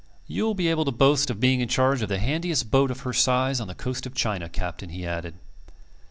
"You'll be able to boast of being in charge of the handiest boat of her size on the coast of China, Captain," he added.